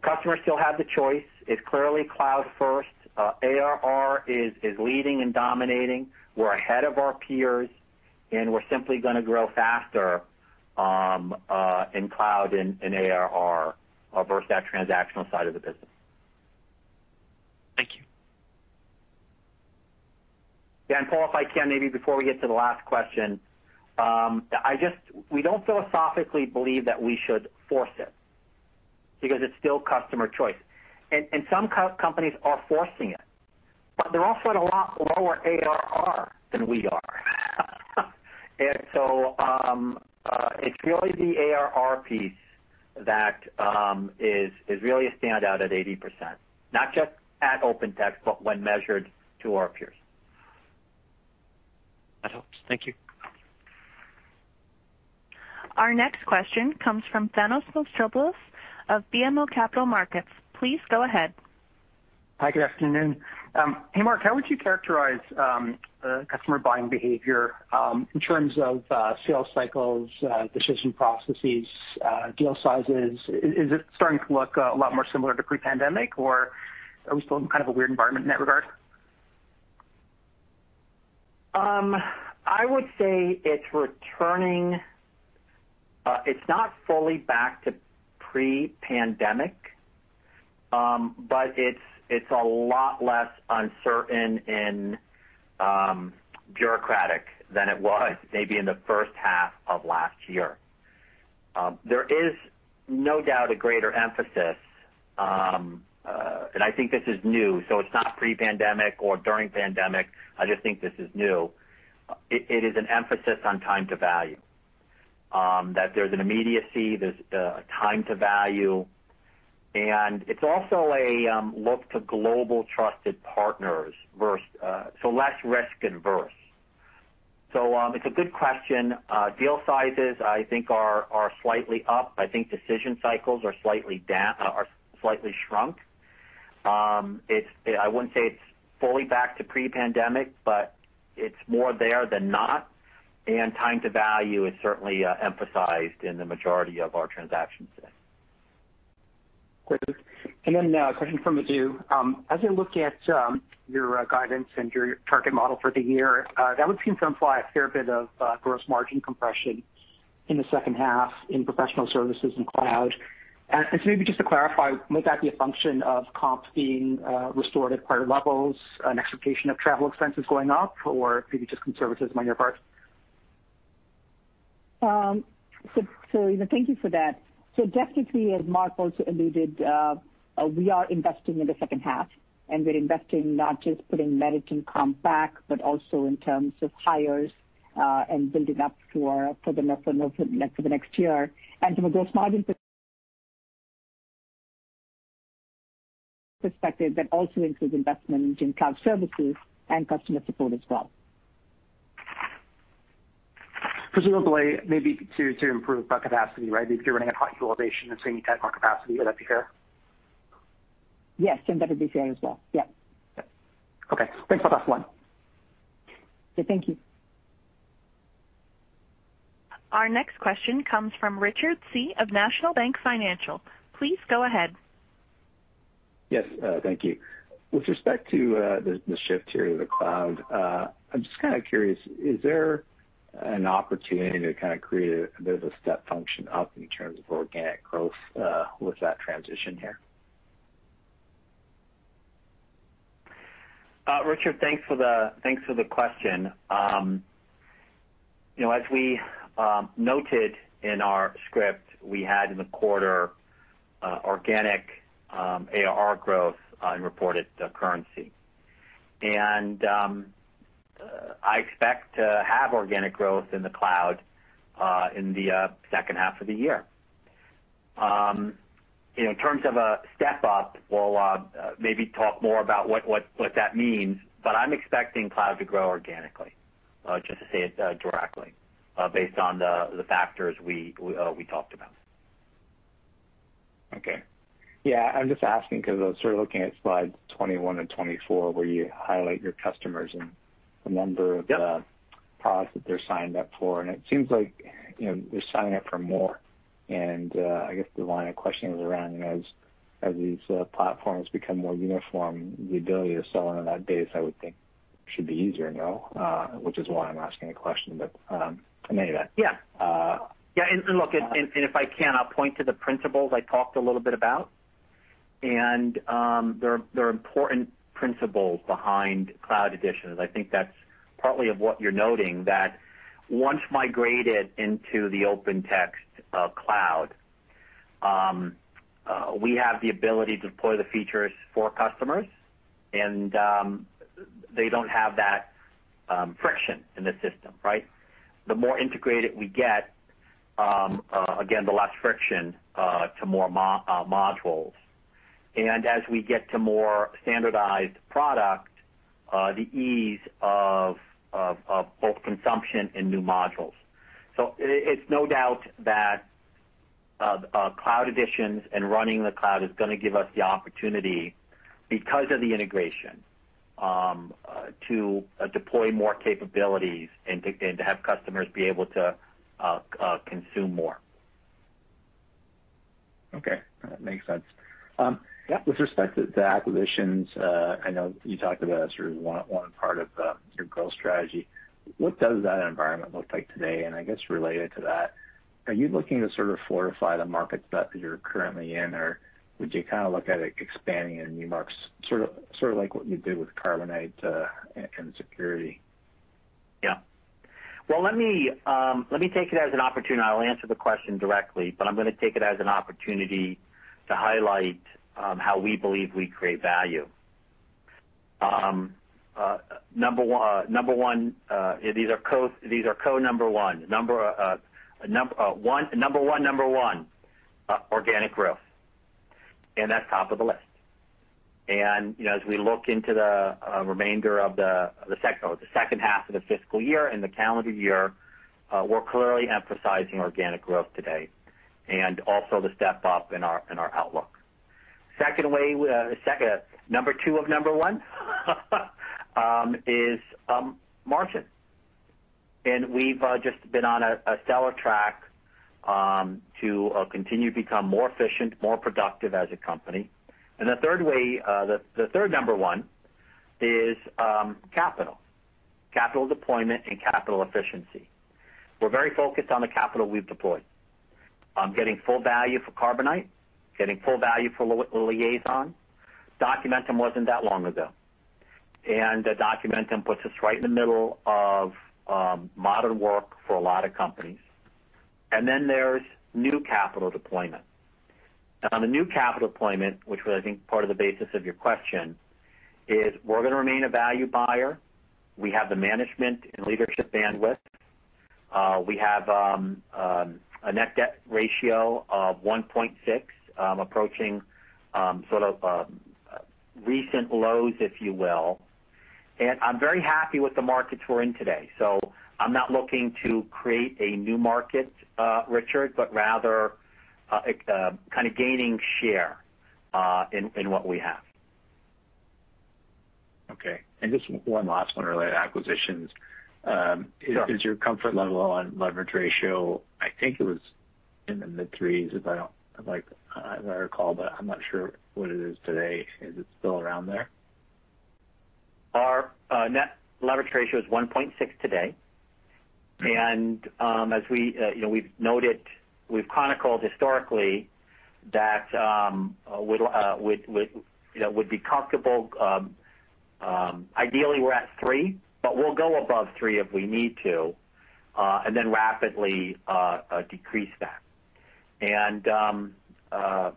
Customers still have the choice. It's clearly cloud first. ARR is leading and dominating. We're ahead of our peers, and we're simply going to grow faster in cloud and ARR versus that transactional side of the business. Thank you. Paul, if I can, maybe before we get to the last question. We don't philosophically believe that we should force it, because it's still customer choice. Some companies are forcing it, but they're also at a lot lower ARR than we are. It's really the ARR piece that is really a standout at 80%, not just at OpenText, but when measured to our peers. That helps. Thank you. Our next question comes from Thanos Moschopoulos of BMO Capital Markets. Please go ahead. Hi, good afternoon. Hey, Mark, how would you characterize customer buying behavior in terms of sales cycles, decision processes, deal sizes? Is it starting to look a lot more similar to pre-pandemic, or are we still in kind of a weird environment in that regard? I would say it's not fully back to pre-pandemic. It's a lot less uncertain and bureaucratic than it was maybe in the first half of last year. There is no doubt a greater emphasis, and I think this is new, so it's not pre-pandemic or during pandemic, I just think this is new. It is an emphasis on time to value, that there's an immediacy, there's a time to value, and it's also a look to global trusted partners, so less risk-averse. It's a good question. Deal sizes, I think, are slightly up. I think decision cycles are slightly shrunk. I wouldn't say it's fully back to pre-pandemic, but it's more there than not, and time to value is certainly emphasized in the majority of our transactions today. Great. Then a question from Madhu. As I look at your guidance and your target model for the year, that would seem to imply a fair bit of gross margin compression in the second half in professional services and cloud. Maybe just to clarify, might that be a function of comp being restored at prior levels, an expectation of travel expenses going up, or maybe just conservatism on your part? Thank you for that. Definitely, as Mark also alluded, we are investing in the second half, and we're investing not just putting managing comp back, but also in terms of hires, and building up for the next year. From a gross margin perspective, that also includes investment in cloud services and customer support as well. Presumably maybe to improve capacity, right? If you're running a high utilization and saying you'd add more capacity, would that be fair? Yes. That would be fair as well. Yeah. Okay, thanks. I'm done. Thank you. Our next question comes from Richard Tse of National Bank Financial. Please go ahead. Yes. Thank you. With respect to the shift here to the cloud, I'm just kind of curious, is there an opportunity to kind of create a bit of a step function up in terms of organic growth with that transition here? Richard, thanks for the question. As we noted in our script, we had in the quarter organic ARR growth in reported currency. I expect to have organic growth in the cloud in the second half of the year. In terms of a step-up, we'll maybe talk more about what that means, but I'm expecting cloud to grow organically, just to say it directly, based on the factors we talked about. Okay. Yeah, I'm just asking because I was sort of looking at slides 21 and 24 where you highlight your customers and the number of the products that they're signed up for, and it seems like they're signing up for more. I guess the line of questioning is around as these platforms become more uniform, the ability to sell into that base, I would think should be easier now, which is why I'm asking the question. Anyway. Yeah. Look, and if I can, I'll point to the principles I talked a little bit about, and there are important principles behind Cloud Editions. I think that's partly of what you're noting, that once migrated into the OpenText cloud, we have the ability to deploy the features for customers, and they don't have that friction in the system, right? The more integrated we get, again, the less friction to more modules. As we get to more standardized product, the ease of both consumption and new modules. It's no doubt that Cloud Editions and running the cloud is going to give us the opportunity because of the integration to deploy more capabilities and to have customers be able to consume more. Okay. That makes sense. With respect to the acquisitions, I know you talked about it as one part of your growth strategy. What does that environment look like today? I guess related to that, are you looking to sort of fortify the markets that you're currently in, or would you kind of look at expanding in new markets, sort of like what you did with Carbonite and security? Well, let me take it as an opportunity. I'll answer the question directly, but I'm going to take it as an opportunity to highlight how we believe we create value. These are co-number one. Number one, organic growth. That's top of the list. As we look into the second half of the fiscal year and the calendar year, we're clearly emphasizing organic growth today, and also the step-up in our outlook. Number two of number one is margin. We've just been on a stellar track to continue to become more efficient, more productive as a company. The third number one is capital. Capital deployment and capital efficiency. We're very focused on the capital we've deployed. Getting full value for Carbonite, getting full value for Liaison. Documentum wasn't that long ago. Documentum puts us right in the middle of modern work for a lot of companies. There's new capital deployment. On the new capital deployment, which was, I think, part of the basis of your question, is we're going to remain a value buyer. We have the management and leadership bandwidth. We have a net debt ratio of 1.6x, approaching sort of recent lows, if you will. I'm very happy with the markets we're in today. I'm not looking to create a new market, Richard, but rather kind of gaining share in what we have. Okay. Just one last one related to acquisitions. Is your comfort level on leverage ratio, I think it was in the mid threes, if I recall, but I'm not sure what it is today. Is it still around there? Our net leverage ratio is 1.6x today. As we've chronicled historically that we'd be comfortable, ideally we're at 3x, but we'll go above 3x if we need to, then rapidly decrease that.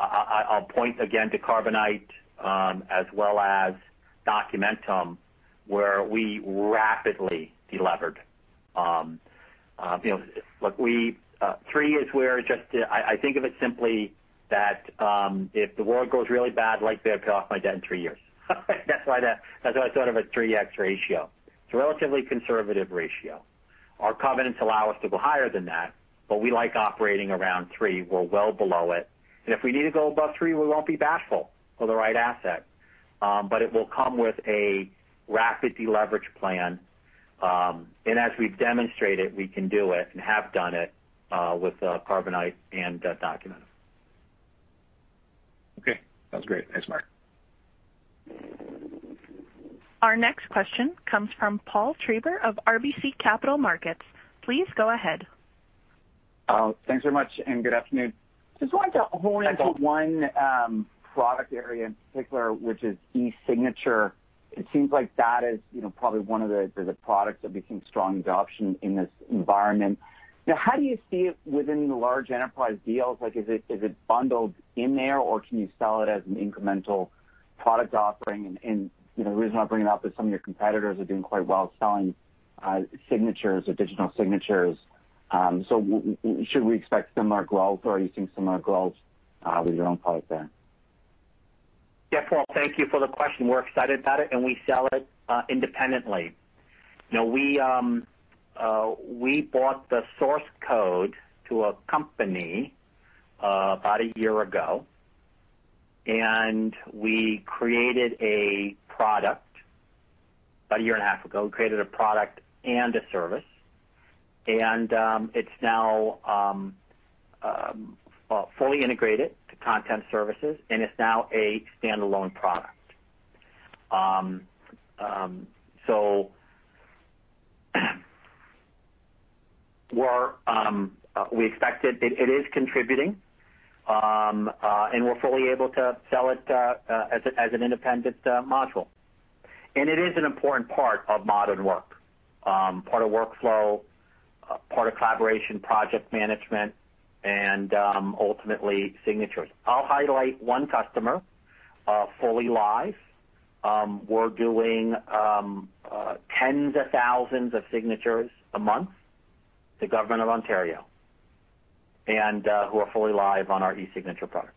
I'll point again to Carbonite, as well as Documentum, where we rapidly de-levered. 3x is where I think of it simply that if the world goes really bad, I'd like to pay off my debt in three years. That's why I thought of a 3x ratio. It's a relatively conservative ratio. Our covenants allow us to go higher than that, but we like operating around 3x. We're well below it. If we need to go above 3x, we won't be bashful for the right asset. It will come with a rapid de-leverage plan. As we've demonstrated, we can do it and have done it with Carbonite and Documentum. Okay. Sounds great. Thanks, Mark. Our next question comes from Paul Treiber of RBC Capital Markets. Please go ahead. Thanks very much. Good afternoon. Just wanted to hone into one product area in particular, which is eSignature. It seems like that is probably one of the products that became strong adoption in this environment. How do you see it within the large enterprise deals? Is it bundled in there, or can you sell it as an incremental product offering? The reason why I bring it up is some of your competitors are doing quite well selling signatures or digital signatures. Should we expect similar growth, or are you seeing similar growth with your own product there? Yeah, Paul, thank you for the question. We're excited about it. We sell it independently. We bought the source code to a company about one year ago, and we created a product about one year and a half ago. We created a product and a service. It's now fully integrated to content services, and it's now a standalone product. We expect it is contributing, and we're fully able to sell it as an independent module. It is an important part of modern work, part of workflow, part of collaboration, project management, and ultimately signatures. I'll highlight one customer, fully live. We're doing tens of thousands of signatures a month, the Government of Ontario, and who are fully live on our eSignature product.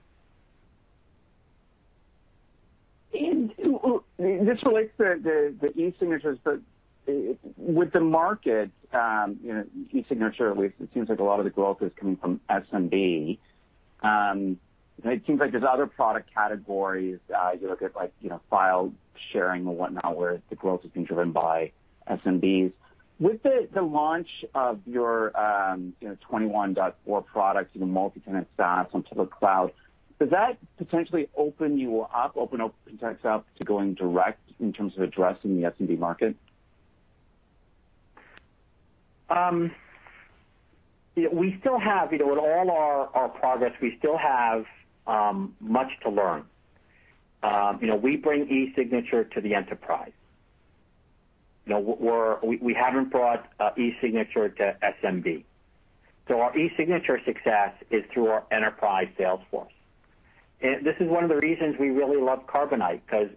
This relates to the eSignatures, but with the market, eSignature, at least it seems like a lot of the growth is coming from SMB. There's other product categories you look at, like file sharing or whatnot, where the growth has been driven by SMBs. With the launch of your 21.4 products, the multi-tenant SaaS on public cloud, does that potentially open you up, open OpenText up to going direct in terms of addressing the SMB market? With all our progress, we still have much to learn. We bring eSignature to the enterprise. We haven't brought eSignature to SMB. Our eSignature success is through our enterprise sales force. This is one of the reasons we really love Carbonite, because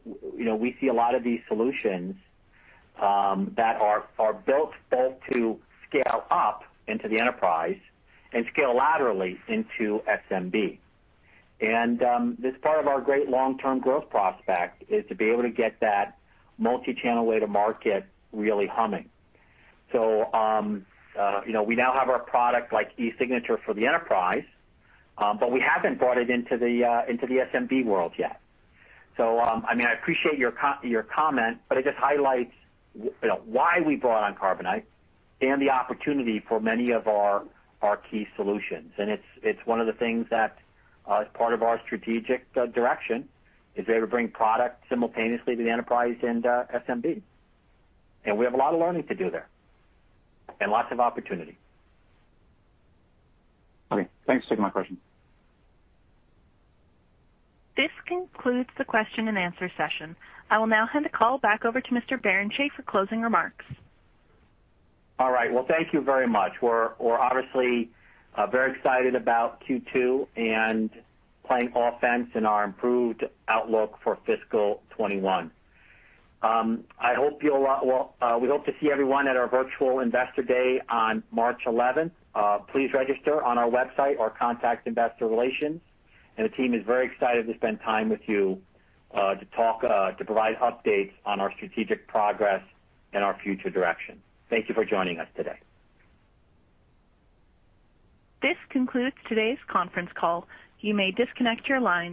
we see a lot of these solutions that are built both to scale up into the enterprise and scale laterally into SMB. This part of our great long-term growth prospect is to be able to get that multi-channel way to market really humming. We now have our product like eSignature for the enterprise, but we haven't brought it into the SMB world yet. I appreciate your comment, but it just highlights why we brought on Carbonite and the opportunity for many of our key solutions. It's one of the things that, as part of our strategic direction, is able to bring product simultaneously to the enterprise and SMB. We have a lot of learning to do there and lots of opportunity. Okay. Thanks. Taking my question. This concludes the question-and-answer session. I will now hand the call back over to Mr. Barrenechea for closing remarks. All right. Well, thank you very much. We're obviously very excited about Q2 and playing offense in our improved outlook for fiscal 2021. We hope to see everyone at our virtual Investor Day on March 11th. Please register on our website or contact investor relations. The team is very excited to spend time with you to provide updates on our strategic progress and our future direction. Thank you for joining us today. This concludes today's conference call. You may disconnect your lines.